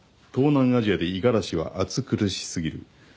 「東南アジアで五十嵐は暑苦しすぎる」